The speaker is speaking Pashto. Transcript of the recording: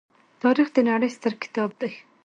تاریخ د نړۍ ستر کتاب دی.